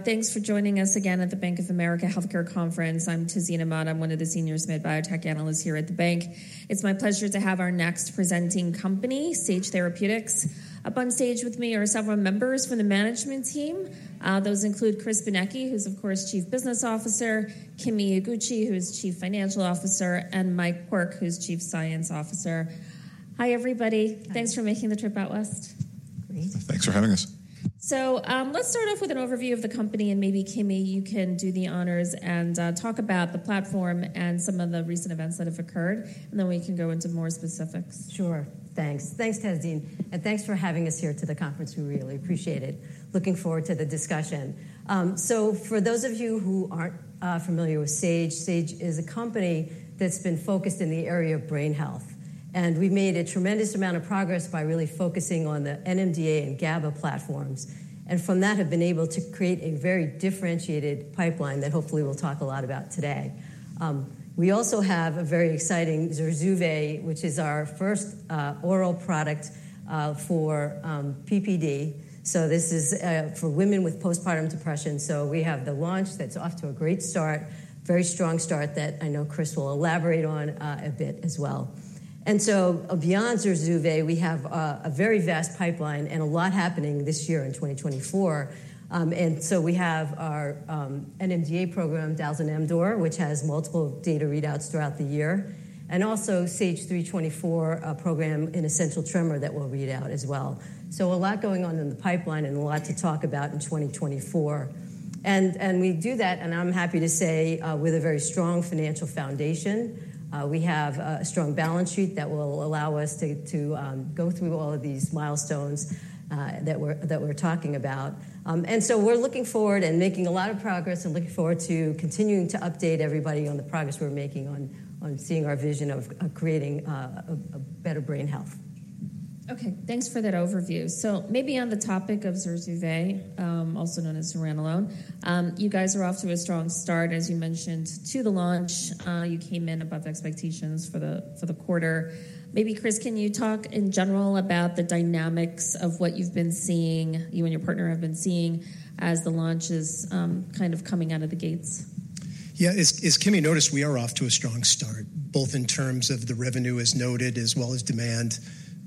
Thanks for joining us again at the Bank of America Healthcare Conference. I'm Tazeena Ahmad. I'm one of the senior SMID biotech analysts here at the bank. It's my pleasure to have our next presenting company, Sage Therapeutics. Up on stage with me are several members from the management team. Those include Chris Benecchi, who's, of course, Chief Business Officer; Kimi Iguchi, who is Chief Financial Officer; and Mike Quirk, who's Chief Science Officer. Hi, everybody. Thanks for making the trip out west. Great. Thanks for having us. So let's start off with an overview of the company, and maybe, Kimi, you can do the honors and talk about the platform and some of the recent events that have occurred, and then we can go into more specifics. Sure. Thanks. Thanks, Tazeena. Thanks for having us here to the conference. We really appreciate it. Looking forward to the discussion. For those of you who aren't familiar with Sage, Sage is a company that's been focused in the area of brain health. We've made a tremendous amount of progress by really focusing on the NMDA and GABA platforms, and from that have been able to create a very differentiated pipeline that hopefully we'll talk a lot about today. We also have a very exciting ZURZUVAE, which is our first oral product for PPD. This is for women with postpartum depression. We have the launch that's off to a great start, very strong start that I know Chris will elaborate on a bit as well. Beyond ZURZUVAE, we have a very vast pipeline and a lot happening this year in 2024. So we have our NMDA program, dalzanemdor, which has multiple data readouts throughout the year, and also SAGE-324 program, an essential tremor that we'll read out as well. So a lot going on in the pipeline and a lot to talk about in 2024. And we do that, and I'm happy to say, with a very strong financial foundation. We have a strong balance sheet that will allow us to go through all of these milestones that we're talking about. And so we're looking forward and making a lot of progress and looking forward to continuing to update everybody on the progress we're making on seeing our vision of creating better brain health. OK. Thanks for that overview. So maybe on the topic of ZURZUVAE, also known as zuranolone, you guys are off to a strong start, as you mentioned, to the launch. You came in above expectations for the quarter. Maybe, Chris, can you talk in general about the dynamics of what you've been seeing, you and your partner have been seeing, as the launch is kind of coming out of the gates? Yeah. As Kimi noticed, we are off to a strong start, both in terms of the revenue, as noted, as well as demand.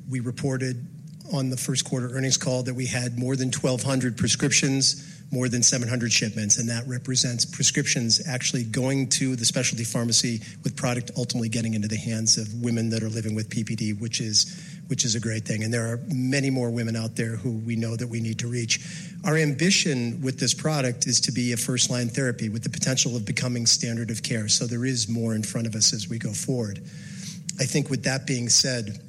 We reported on the first quarter earnings call that we had more than 1,200 prescriptions, more than 700 shipments. And that represents prescriptions actually going to the specialty pharmacy with product ultimately getting into the hands of women that are living with PPD, which is a great thing. And there are many more women out there who we know that we need to reach. Our ambition with this product is to be a first-line therapy with the potential of becoming standard of care. So there is more in front of us as we go forward. I think with that being said,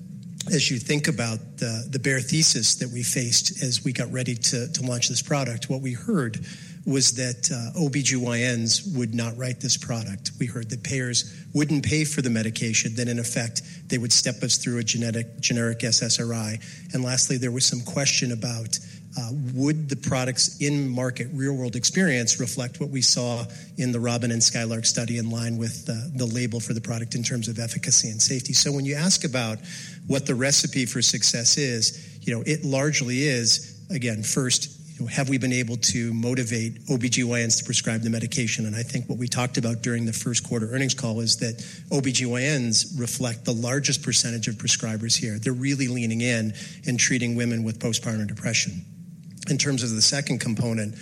as you think about the bare thesis that we faced as we got ready to launch this product, what we heard was that OB-GYNs would not write this product. We heard that payers wouldn't pay for the medication. Then, in effect, they would step us through a generic SSRI. And lastly, there was some question about would the product's in-market real-world experience reflect what we saw in the Robin and Skylark study in line with the label for the product in terms of efficacy and safety. So when you ask about what the recipe for success is, it largely is, again, first, have we been able to motivate OB-GYNs to prescribe the medication? And I think what we talked about during the first quarter earnings call is that OB-GYNs reflect the largest percentage of prescribers here. They're really leaning in and treating women with postpartum depression. In terms of the second component,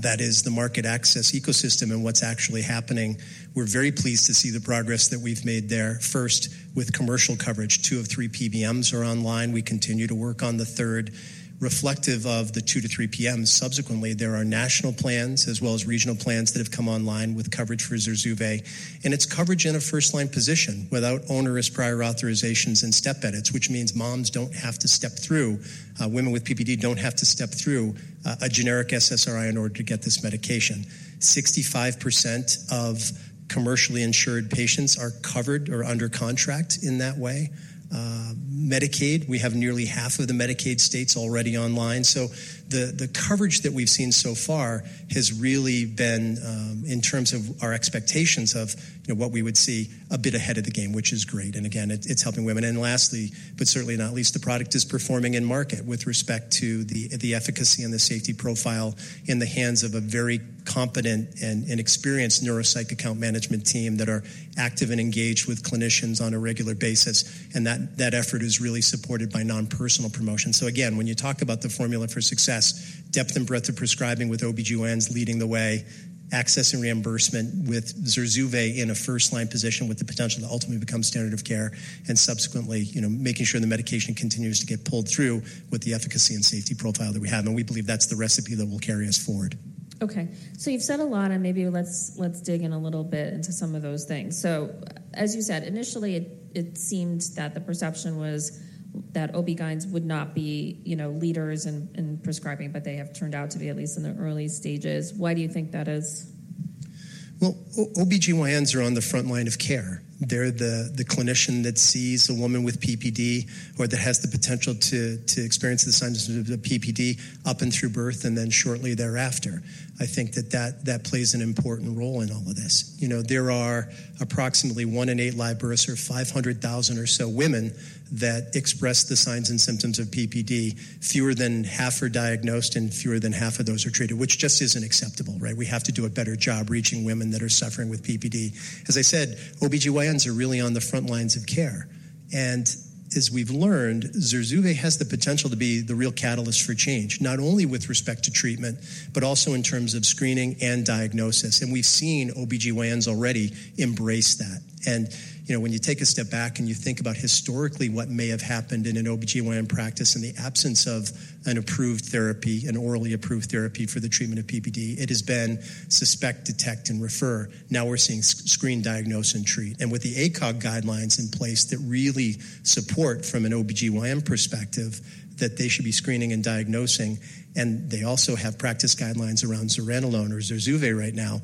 that is the market access ecosystem and what's actually happening, we're very pleased to see the progress that we've made there. First, with commercial coverage, 2 of 3 PBMs are online. We continue to work on the third, reflective of the 2-3 PBMs. Subsequently, there are national plans as well as regional plans that have come online with coverage for ZURZUVAE. And it's coverage in a first-line position without onerous prior authorizations and step edits, which means moms don't have to step through, women with PPD don't have to step through a generic SSRI in order to get this medication. 65% of commercially insured patients are covered or under contract in that way. Medicaid, we have nearly half of the Medicaid states already online. So the coverage that we've seen so far has really been, in terms of our expectations of what we would see, a bit ahead of the game, which is great. And again, it's helping women. And lastly, but certainly not least, the product is performing in market with respect to the efficacy and the safety profile in the hands of a very competent and experienced neuropsych account management team that are active and engaged with clinicians on a regular basis. And that effort is really supported by nonpersonal promotion. So again, when you talk about the formula for success, depth and breadth of prescribing with OB-GYNs leading the way, access and reimbursement with ZURZUVAE in a first-line position with the potential to ultimately become standard of care, and subsequently making sure the medication continues to get pulled through with the efficacy and safety profile that we have. We believe that's the recipe that will carry us forward. OK. So you've said a lot. And maybe let's dig in a little bit into some of those things. So as you said, initially, it seemed that the perception was that OB-GYNs would not be leaders in prescribing, but they have turned out to be, at least in the early stages. Why do you think that is? Well, OB-GYNs are on the front line of care. They're the clinician that sees a woman with PPD or that has the potential to experience the signs and symptoms of PPD up and through birth and then shortly thereafter. I think that that plays an important role in all of this. There are approximately one in eight deliveries or 500,000 or so women that express the signs and symptoms of PPD. Fewer than half are diagnosed, and fewer than half of those are treated, which just isn't acceptable, right? We have to do a better job reaching women that are suffering with PPD. As I said, OB-GYNs are really on the front lines of care. As we've learned, ZURZUVAE has the potential to be the real catalyst for change, not only with respect to treatment but also in terms of screening and diagnosis. We've seen OB-GYNs already embrace that. When you take a step back and you think about historically what may have happened in an OB-GYN practice in the absence of an approved therapy, an orally approved therapy for the treatment of PPD, it has been suspect, detect, and refer. Now we're seeing screen, diagnose, and treat. With the ACOG guidelines in place that really support, from an OB-GYN perspective, that they should be screening and diagnosing, and they also have practice guidelines around zuranolone or ZURZUVAE right now,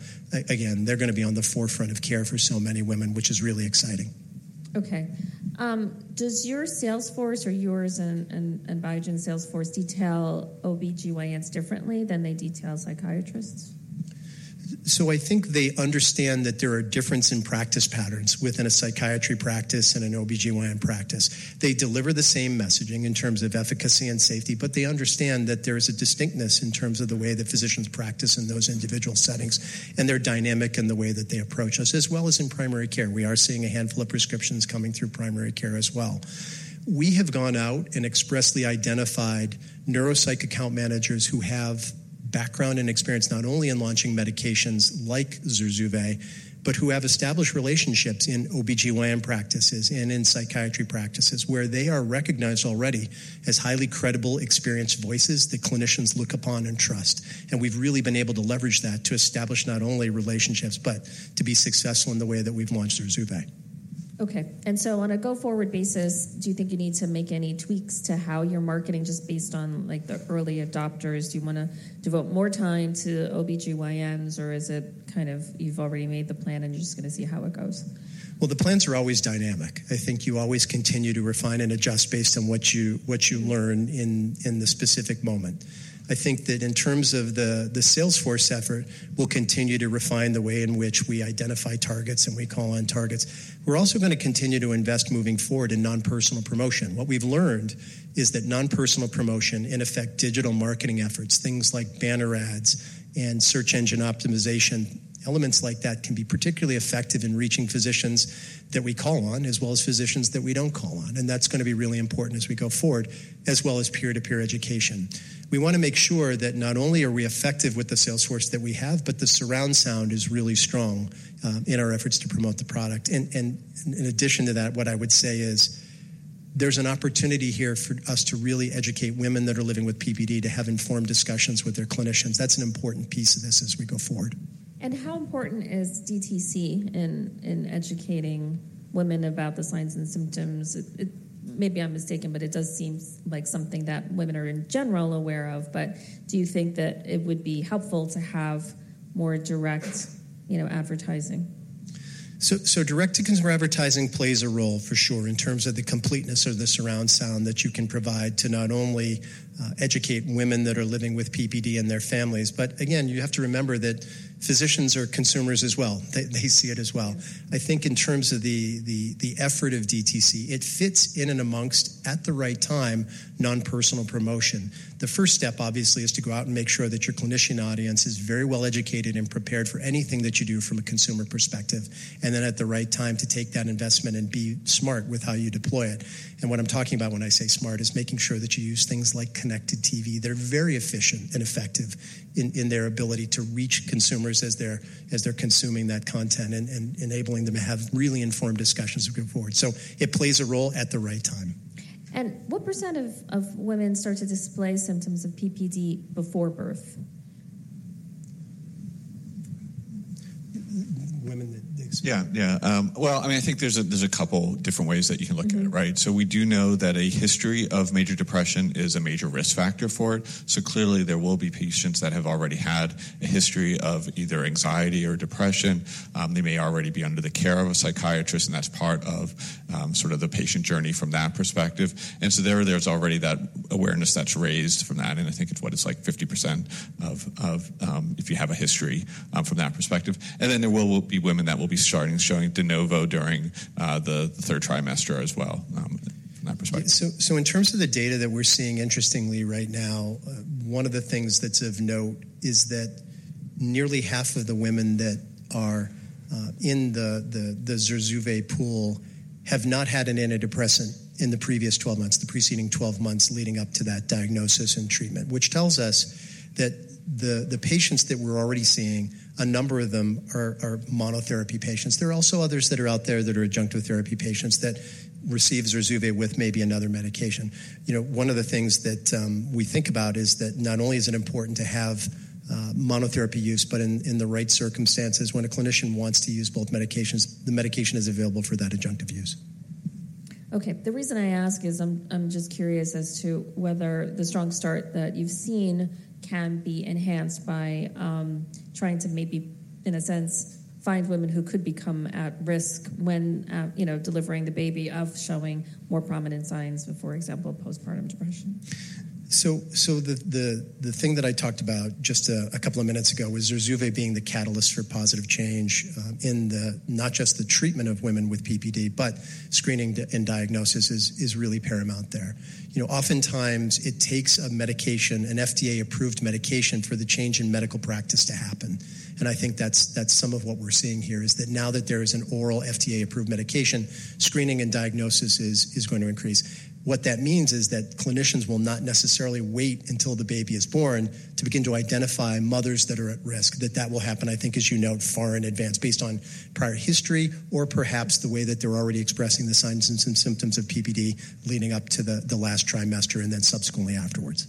again, they're going to be on the forefront of care for so many women, which is really exciting. OK. Does your sales force or yours and Biogen's sales force detail OB-GYNs differently than they detail psychiatrists? I think they understand that there are differences in practice patterns within a psychiatry practice and an OB-GYN practice. They deliver the same messaging in terms of efficacy and safety, but they understand that there is a distinctness in terms of the way that physicians practice in those individual settings and their dynamic and the way that they approach us, as well as in primary care. We are seeing a handful of prescriptions coming through primary care as well. We have gone out and expressly identified neuropsych account managers who have background and experience not only in launching medications like ZURZUVAE, but who have established relationships in OB-GYN practices and in psychiatry practices where they are recognized already as highly credible, experienced voices that clinicians look upon and trust. We've really been able to leverage that to establish not only relationships but to be successful in the way that we've launched ZURZUVAE. OK. And so on a go-forward basis, do you think you need to make any tweaks to how you're marketing just based on the early adopters? Do you want to devote more time to OB-GYNs, or is it kind of you've already made the plan and you're just going to see how it goes? Well, the plans are always dynamic. I think you always continue to refine and adjust based on what you learn in the specific moment. I think that in terms of the sales force effort, we'll continue to refine the way in which we identify targets and we call on targets. We're also going to continue to invest moving forward in nonpersonal promotion. What we've learned is that nonpersonal promotion, in effect, digital marketing efforts, things like banner ads and search engine optimization, elements like that can be particularly effective in reaching physicians that we call on as well as physicians that we don't call on. And that's going to be really important as we go forward, as well as peer-to-peer education. We want to make sure that not only are we effective with the sales force that we have, but the surround sound is really strong in our efforts to promote the product. In addition to that, what I would say is there's an opportunity here for us to really educate women that are living with PPD to have informed discussions with their clinicians. That's an important piece of this as we go forward. How important is DTC in educating women about the signs and symptoms? Maybe I'm mistaken, but it does seem like something that women are, in general, aware of. Do you think that it would be helpful to have more direct advertising? So direct to consumer advertising plays a role, for sure, in terms of the completeness of the surround sound that you can provide to not only educate women that are living with PPD and their families, but again, you have to remember that physicians are consumers as well. They see it as well. I think in terms of the effort of DTC, it fits in and amongst, at the right time, nonpersonal promotion. The first step, obviously, is to go out and make sure that your clinician audience is very well educated and prepared for anything that you do from a consumer perspective, and then at the right time to take that investment and be smart with how you deploy it. And what I'm talking about when I say smart is making sure that you use things like connected TV. They're very efficient and effective in their ability to reach consumers as they're consuming that content and enabling them to have really informed discussions to go forward. It plays a role at the right time. What percent of women start to display symptoms of PPD before birth? Women that experience? Yeah. Yeah. Well, I mean, I think there's a couple different ways that you can look at it, right? So we do know that a history of major depression is a major risk factor for it. So clearly, there will be patients that have already had a history of either anxiety or depression. They may already be under the care of a psychiatrist, and that's part of sort of the patient journey from that perspective. And so there's already that awareness that's raised from that. And I think it's what it's like 50% of if you have a history from that perspective. And then there will be women that will be starting showing de novo during the third trimester as well from that perspective. So in terms of the data that we're seeing, interestingly, right now, one of the things that's of note is that nearly half of the women that are in the ZURZUVAE pool have not had an antidepressant in the previous 12 months, the preceding 12 months leading up to that diagnosis and treatment, which tells us that the patients that we're already seeing, a number of them are monotherapy patients. There are also others that are out there that are adjunctive therapy patients that receive ZURZUVAE with maybe another medication. One of the things that we think about is that not only is it important to have monotherapy use, but in the right circumstances, when a clinician wants to use both medications, the medication is available for that adjunctive use. OK. The reason I ask is I'm just curious as to whether the strong start that you've seen can be enhanced by trying to maybe, in a sense, find women who could become at risk when delivering the baby of showing more prominent signs of, for example, postpartum depression. So the thing that I talked about just a couple of minutes ago was ZURZUVAE being the catalyst for positive change in not just the treatment of women with PPD but screening and diagnosis is really paramount there. Oftentimes, it takes a medication, an FDA-approved medication, for the change in medical practice to happen. And I think that's some of what we're seeing here, is that now that there is an oral FDA-approved medication, screening and diagnosis is going to increase. What that means is that clinicians will not necessarily wait until the baby is born to begin to identify mothers that are at risk. That will happen, I think, as you note, far in advance based on prior history or perhaps the way that they're already expressing the signs and symptoms of PPD leading up to the last trimester and then subsequently afterwards.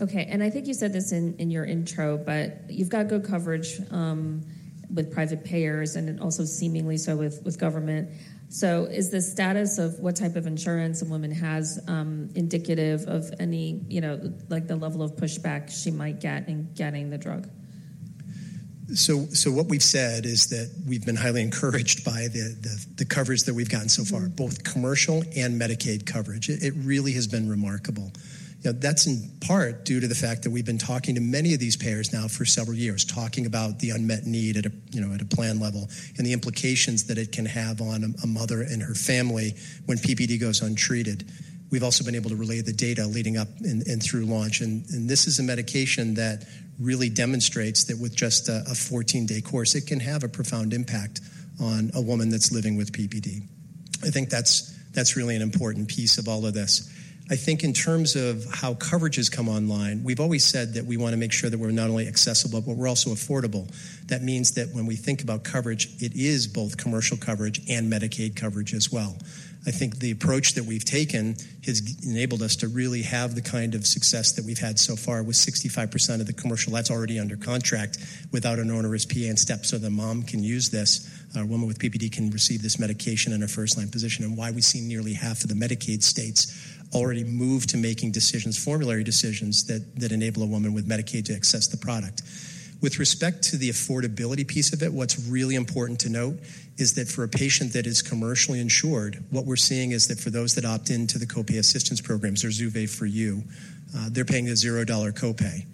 OK. I think you said this in your intro, but you've got good coverage with private payers and also seemingly so with government. Is the status of what type of insurance a woman has indicative of the level of pushback she might get in getting the drug? So what we've said is that we've been highly encouraged by the coverage that we've gotten so far, both commercial and Medicaid coverage. It really has been remarkable. That's in part due to the fact that we've been talking to many of these payers now for several years, talking about the unmet need at a plan level and the implications that it can have on a mother and her family when PPD goes untreated. We've also been able to relay the data leading up and through launch. And this is a medication that really demonstrates that with just a 14-day course, it can have a profound impact on a woman that's living with PPD. I think that's really an important piece of all of this. I think in terms of how coverage has come online, we've always said that we want to make sure that we're not only accessible but we're also affordable. That means that when we think about coverage, it is both commercial coverage and Medicaid coverage as well. I think the approach that we've taken has enabled us to really have the kind of success that we've had so far with 65% of the commercial that's already under contract without an onerous PA and step so the mom can use this, a woman with PPD can receive this medication in her first-line position, and why we've seen nearly half of the Medicaid states already move to making decisions, formulary decisions, that enable a woman with Medicaid to access the product. With respect to the affordability piece of it, what's really important to note is that for a patient that is commercially insured, what we're seeing is that for those that opt into the copay assistance program, ZURZUVAE For You, they're paying a $0 copay.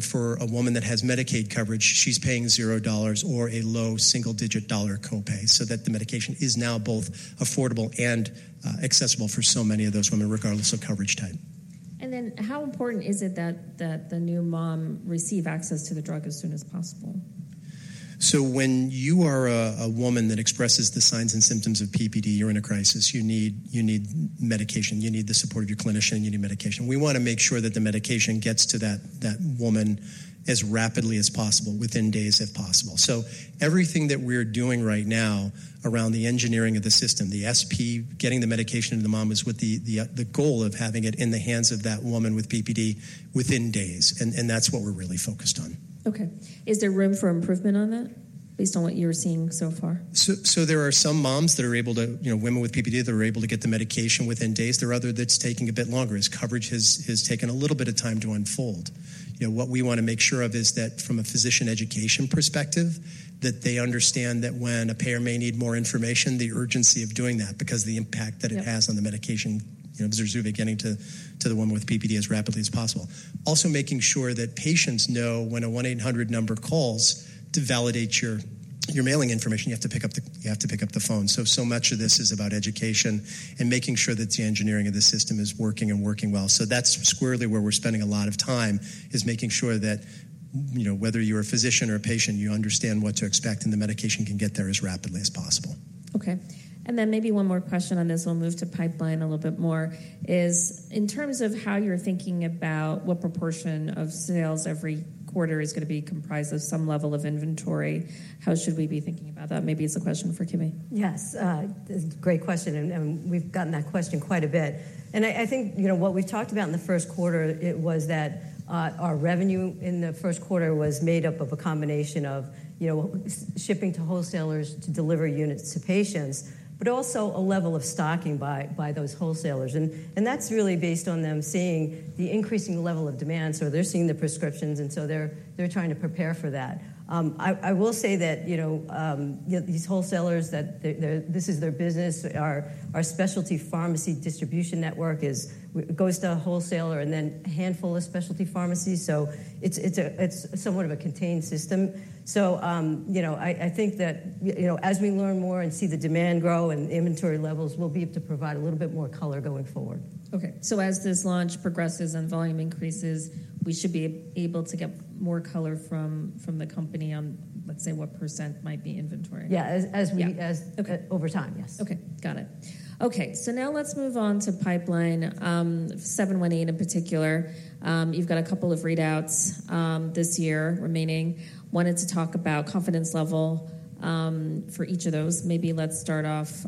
For a woman that has Medicaid coverage, she's paying $0 or a low Single-digit dollar copay so that the medication is now both affordable and accessible for so many of those women, regardless of coverage type. How important is it that the new mom receive access to the drug as soon as possible? When you are a woman that expresses the signs and symptoms of PPD, you're in a crisis. You need medication. You need the support of your clinician. You need medication. We want to make sure that the medication gets to that woman as rapidly as possible, within days if possible. Everything that we're doing right now around the engineering of the system, the SP, getting the medication to the mom, is with the goal of having it in the hands of that woman with PPD within days. That's what we're really focused on. OK. Is there room for improvement on that based on what you're seeing so far? So there are some moms that are able to, women with PPD, that are able to get the medication within days. There are others that's taking a bit longer as coverage has taken a little bit of time to unfold. What we want to make sure of is that from a physician education perspective, that they understand that when a payer may need more information, the urgency of doing that because of the impact that it has on the medication, ZURZUVAE, getting to the woman with PPD as rapidly as possible. Also making sure that patients know when a 1-800 number calls to validate your mailing information, you have to pick up the phone. So much of this is about education and making sure that the engineering of the system is working and working well. That's squarely where we're spending a lot of time, is making sure that whether you're a physician or a patient, you understand what to expect and the medication can get there as rapidly as possible. OK. And then maybe one more question on this. We'll move to pipeline a little bit more. In terms of how you're thinking about what proportion of sales every quarter is going to be comprised of some level of inventory, how should we be thinking about that? Maybe it's a question for Kimi. Yes. Great question. And we've gotten that question quite a bit. And I think what we've talked about in the first quarter, it was that our revenue in the first quarter was made up of a combination of shipping to wholesalers to deliver units to patients, but also a level of stocking by those wholesalers. And that's really based on them seeing the increasing level of demand. So they're seeing the prescriptions, and so they're trying to prepare for that. I will say that these wholesalers, this is their business. Our specialty pharmacy distribution network goes to a wholesaler and then a handful of specialty pharmacies. So it's somewhat of a contained system. So I think that as we learn more and see the demand grow and inventory levels, we'll be able to provide a little bit more color going forward. OK. So as this launch progresses and volume increases, we should be able to get more color from the company on, let's say, what percent might be inventory? Yeah. Over time, yes. OK. Got it. OK. So now let's move on to pipeline 718 in particular. You've got a couple of readouts this year remaining. I wanted to talk about confidence level for each of those. Maybe let's start off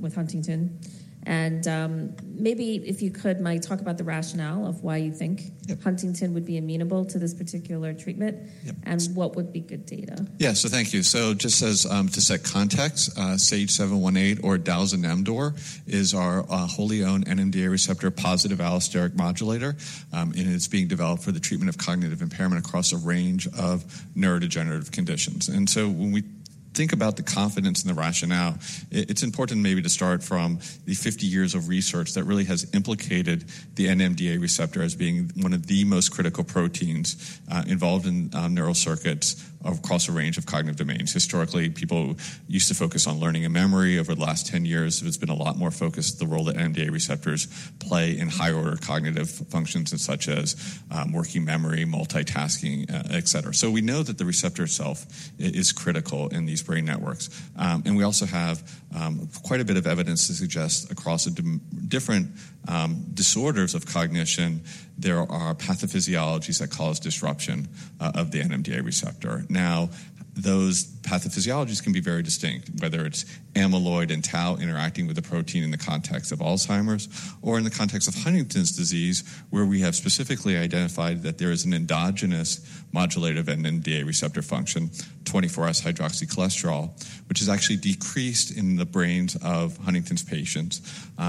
with Huntington. Maybe if you could, Mike, talk about the rationale of why you think Huntington would be amenable to this particular treatment and what would be good data. Yeah. So thank you. So just to set context, SAGE-718 or dalzanemdor is our wholly owned NMDA receptor positive allosteric modulator. And it's being developed for the treatment of cognitive impairment across a range of neurodegenerative conditions. And so when we think about the confidence and the rationale, it's important maybe to start from the 50 years of research that really has implicated the NMDA receptor as being one of the most critical proteins involved in neural circuits across a range of cognitive domains. Historically, people used to focus on learning and memory. Over the last 10 years, it's been a lot more focused on the role that NMDA receptors play in higher-order cognitive functions such as working memory, multitasking, et cetera. So we know that the receptor itself is critical in these brain networks. We also have quite a bit of evidence to suggest across different disorders of cognition, there are pathophysiologies that cause disruption of the NMDA receptor. Now, those pathophysiologies can be very distinct, whether it's amyloid and tau interacting with the protein in the context of Alzheimer's or in the context of Huntington's disease, where we have specifically identified that there is an endogenous modulative NMDA receptor function, 24S-hydroxycholesterol, which is actually decreased in the brains of Huntington's patients,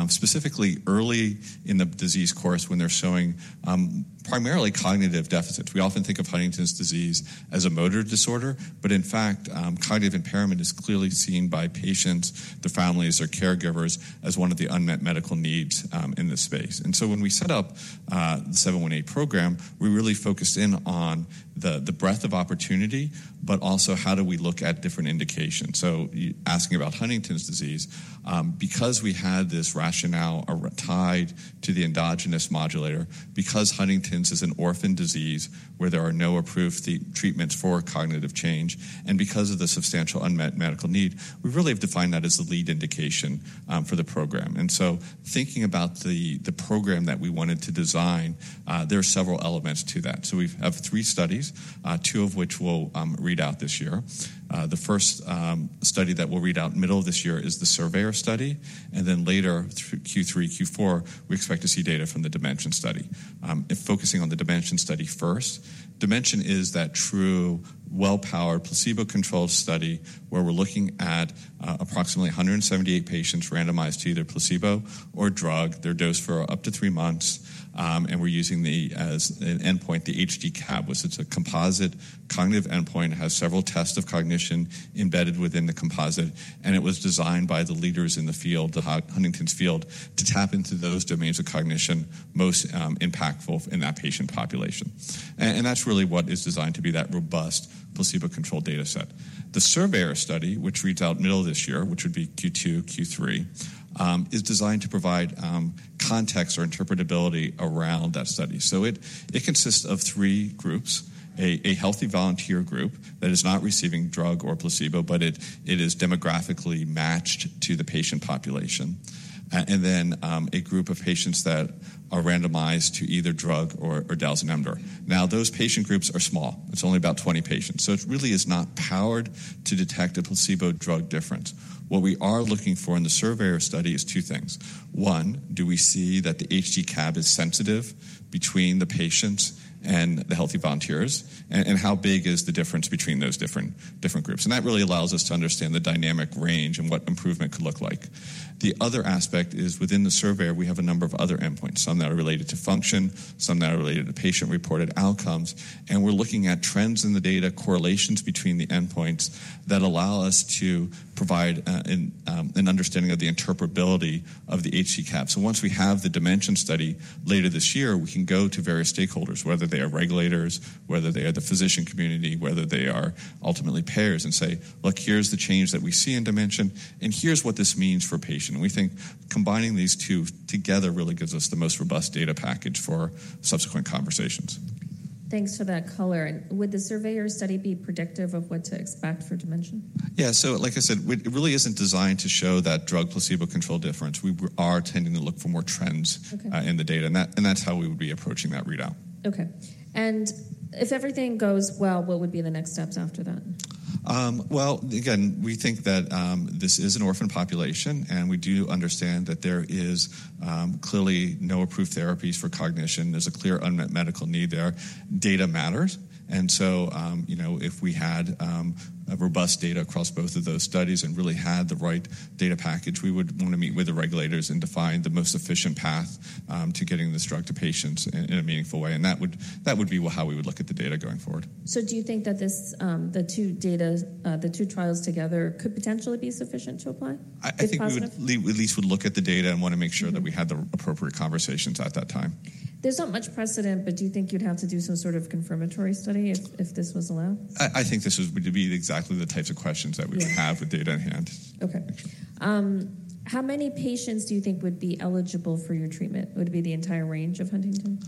specifically early in the disease course when they're showing primarily cognitive deficits. We often think of Huntington's disease as a motor disorder, but in fact, cognitive impairment is clearly seen by patients, the families, or caregivers as one of the unmet medical needs in this space. When we set up the SAGE-718 program, we really focused in on the breadth of opportunity, but also how do we look at different indications. So asking about Huntington's disease, because we had this rationale tied to the endogenous modulator, because Huntington's is an orphan disease where there are no approved treatments for cognitive change, and because of the substantial unmet medical need, we really have defined that as the lead indication for the program. And so thinking about the program that we wanted to design, there are several elements to that. So we have three studies, two of which we'll read out this year. The first study that we'll read out in the middle of this year is the SURVEYOR study. And then later through Q3, Q4, we expect to see data from the dementia study, focusing on the dementia study first. Dementia is that true well-powered placebo-controlled study where we're looking at approximately 178 patients randomized to either placebo or drug, their dose for up to three months. We're using as an endpoint the HD-CAB, which is a composite cognitive endpoint. It has several tests of cognition embedded within the composite. It was designed by the leaders in the field, the Huntington's field, to tap into those domains of cognition most impactful in that patient population. That's really what is designed to be that robust placebo-controlled data set. The SURVEYOR study, which reads out middle of this year, which would be Q2, Q3, is designed to provide context or interpretability around that study. So it consists of three groups: a healthy volunteer group that is not receiving drug or placebo, but it is demographically matched to the patient population, and then a group of patients that are randomized to either drug or dalazenamdor. Now, those patient groups are small. It's only about 20 patients. So it really is not powered to detect a placebo-drug difference. What we are looking for in the SURVEYOR study is two things. One, do we see that the HD-CAB is sensitive between the patients and the healthy volunteers? And how big is the difference between those different groups? And that really allows us to understand the dynamic range and what improvement could look like. The other aspect is within the SURVEYOR, we have a number of other endpoints. Some that are related to function, some that are related to patient-reported outcomes. We're looking at trends in the data, correlations between the endpoints that allow us to provide an understanding of the interpretability of the HDCAB. Once we have the dementia study later this year, we can go to various stakeholders, whether they are regulators, whether they are the physician community, whether they are ultimately payers, and say, look, here's the change that we see in dementia, and here's what this means for patients. We think combining these two together really gives us the most robust data package for subsequent conversations. Thanks for that color. Would the SURVEYOR study be predictive of what to expect for dementia? Yeah. So like I said, it really isn't designed to show that drug-placebo-controlled difference. We are tending to look for more trends in the data. And that's how we would be approaching that readout. OK. If everything goes well, what would be the next steps after that? Well, again, we think that this is an orphaned population. We do understand that there is clearly no approved therapies for cognition. There's a clear unmet medical need there. Data matters. So if we had robust data across both of those studies and really had the right data package, we would want to meet with the regulators and define the most efficient path to getting this drug to patients in a meaningful way. That would be how we would look at the data going forward. So do you think that the two trials together could potentially be sufficient to apply? I think we at least would look at the data and want to make sure that we had the appropriate conversations at that time. There's not much precedent, but do you think you'd have to do some sort of confirmatory study if this was allowed? I think this would be exactly the types of questions that we would have with data in hand. OK. How many patients do you think would be eligible for your treatment? Would it be the entire range of Huntington?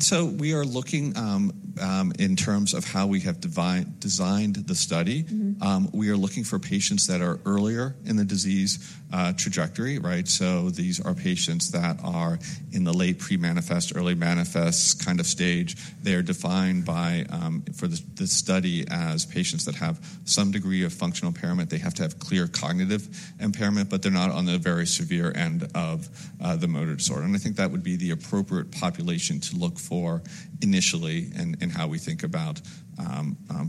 So we are looking in terms of how we have designed the study. We are looking for patients that are earlier in the disease trajectory. So these are patients that are in the late pre-manifest, early manifest kind of stage. They are defined for the study as patients that have some degree of functional impairment. They have to have clear cognitive impairment, but they're not on the very severe end of the motor disorder. And I think that would be the appropriate population to look for initially in how we think about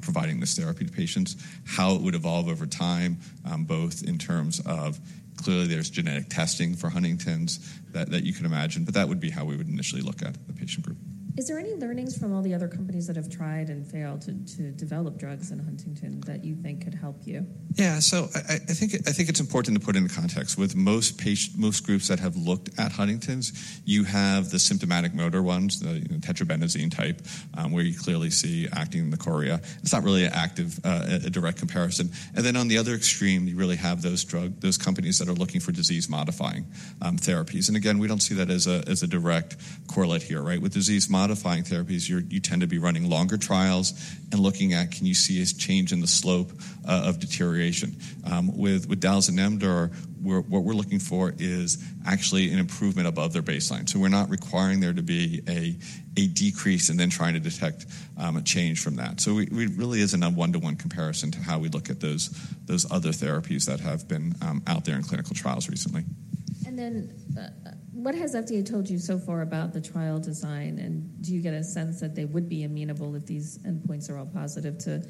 providing this therapy to patients, how it would evolve over time, both in terms of clearly there's genetic testing for Huntington's that you can imagine. But that would be how we would initially look at the patient group. Is there any learnings from all the other companies that have tried and failed to develop drugs in Huntington that you think could help you? Yeah. So I think it's important to put in the context. With most groups that have looked at Huntington's, you have the symptomatic motor ones, the tetrabenazine type, where you clearly see acting in the chorea. It's not really an active direct comparison. And then on the other extreme, you really have those companies that are looking for disease-modifying therapies. And again, we don't see that as a direct correlate here. With disease-modifying therapies, you tend to be running longer trials and looking at, can you see a change in the slope of deterioration. With dalazenamdor, what we're looking for is actually an improvement above their baseline. So we're not requiring there to be a decrease and then trying to detect a change from that. So it really isn't a one-to-one comparison to how we look at those other therapies that have been out there in clinical trials recently. Then what has FDA told you so far about the trial design? And do you get a sense that they would be amenable if these endpoints are all positive to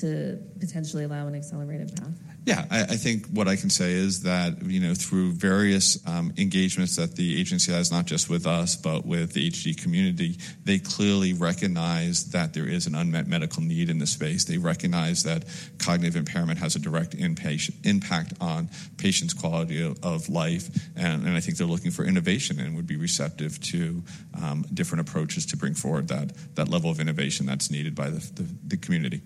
potentially allow an accelerated path? Yeah. I think what I can say is that through various engagements that the agency has, not just with us but with the HD community, they clearly recognize that there is an unmet medical need in this space. They recognize that cognitive impairment has a direct impact on patients' quality of life. I think they're looking for innovation and would be receptive to different approaches to bring forward that level of innovation that's needed by the community.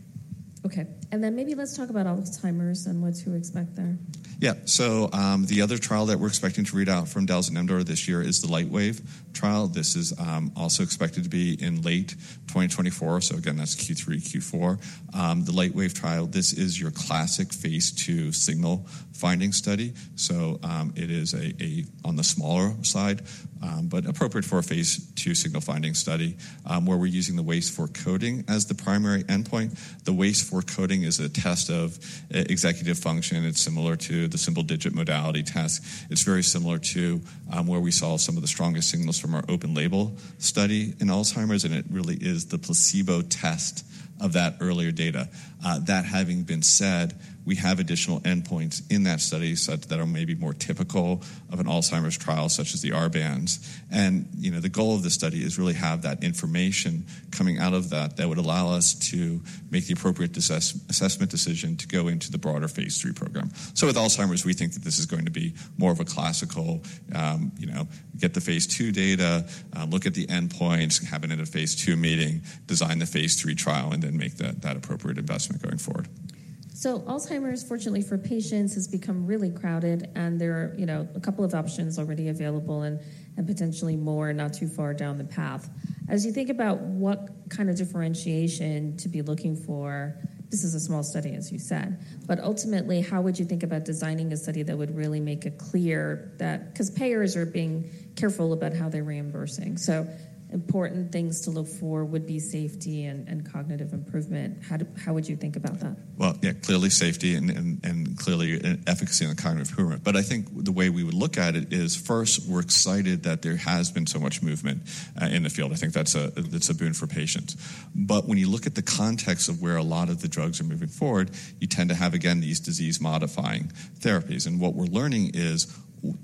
OK. And then maybe let's talk about Alzheimer's and what to expect there. Yeah. So the other trial that we're expecting to read out from dalazenamdor this year is the Lightwave trial. This is also expected to be in late 2024. So again, that's Q3, Q4. The Lightwave trial, this is your classic phase II signal finding study. So it is on the smaller side, but appropriate for a phase II signal finding study where we're using the WAIS-IV coding as the primary endpoint. The WAIS-IV coding is a test of executive function. It's similar to the single-digit modality test. It's very similar to where we saw some of the strongest signals from our open-label study in Alzheimer's. And it really is the placebo test of that earlier data. That having been said, we have additional endpoints in that study that are maybe more typical of an Alzheimer's trial, such as the RBANS. The goal of the study is really to have that information coming out of that that would allow us to make the appropriate assessment decision to go into the broader phase III program. With Alzheimer's, we think that this is going to be more of a classical get the phase II data, look at the endpoints, have it in a phase II meeting, design the phase III trial, and then make that appropriate investment going forward. Alzheimer's, fortunately for patients, has become really crowded. There are a couple of options already available and potentially more not too far down the path. As you think about what kind of differentiation to be looking for, this is a small study, as you said. But ultimately, how would you think about designing a study that would really make it clear that because payers are being careful about how they're reimbursing? Important things to look for would be safety and cognitive improvement. How would you think about that? Well, yeah, clearly safety and clearly efficacy and cognitive improvement. But I think the way we would look at it is first, we're excited that there has been so much movement in the field. I think that's a boon for patients. But when you look at the context of where a lot of the drugs are moving forward, you tend to have, again, these disease-modifying therapies. And what we're learning is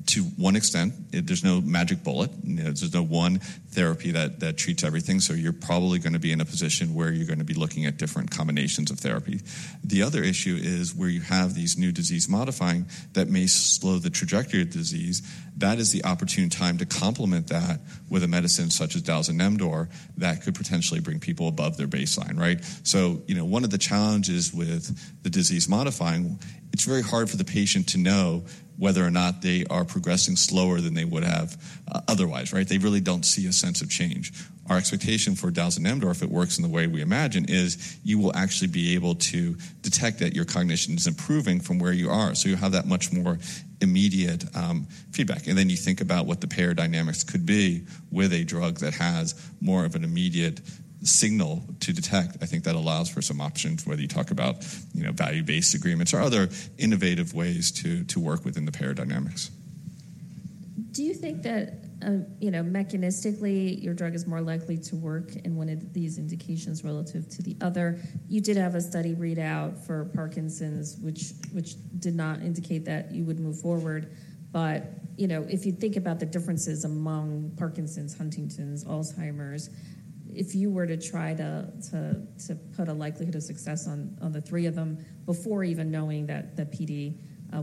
to one extent, there's no magic bullet. There's no one therapy that treats everything. So you're probably going to be in a position where you're going to be looking at different combinations of therapy. The other issue is where you have these new disease-modifying that may slow the trajectory of disease. That is the opportune time to complement that with a medicine such as dalazenamdor that could potentially bring people above their baseline. So one of the challenges with the disease-modifying, it's very hard for the patient to know whether or not they are progressing slower than they would have otherwise. They really don't see a sense of change. Our expectation for dalzanemdor, if it works in the way we imagine, is you will actually be able to detect that your cognition is improving from where you are. So you'll have that much more immediate feedback. And then you think about what the pharmacodynamics could be with a drug that has more of an immediate signal to detect. I think that allows for some options, whether you talk about value-based agreements or other innovative ways to work within the pharmacodynamics. Do you think that mechanistically, your drug is more likely to work in one of these indications relative to the other? You did have a study read out for Parkinson's, which did not indicate that you would move forward. But if you think about the differences among Parkinson's, Huntington's, Alzheimer's, if you were to try to put a likelihood of success on the three of them before even knowing that PD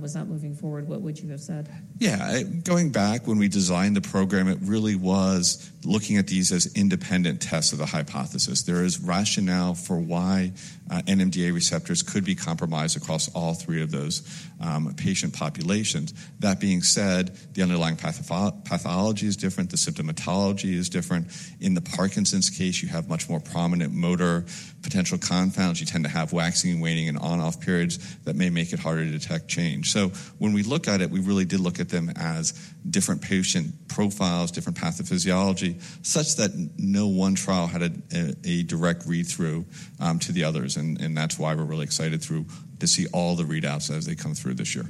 was not moving forward, what would you have said? Yeah. Going back, when we designed the program, it really was looking at these as independent tests of the hypothesis. There is rationale for why NMDA receptors could be compromised across all three of those patient populations. That being said, the underlying pathology is different. The symptomatology is different. In the Parkinson's case, you have much more prominent motor potential confounds. You tend to have waxing and waning and on-off periods that may make it harder to detect change. So when we look at it, we really did look at them as different patient profiles, different pathophysiology, such that no one trial had a direct read-through to the others. And that's why we're really excited to see all the readouts as they come through this year.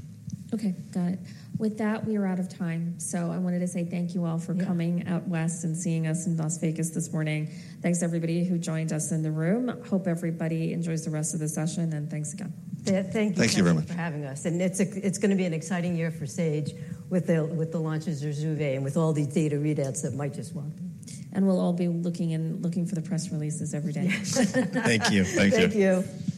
OK. Got it. With that, we are out of time. So I wanted to say thank you all for coming out west and seeing us in Las Vegas this morning. Thanks, everybody who joined us in the room. Hope everybody enjoys the rest of the session. And thanks again. Thank you very much for having us. It's going to be an exciting year for Sage with the launches of ZURZUVAE and with all these data readouts that might just want to. We'll all be looking for the press releases every day. Thank you. Thank you. Thank you.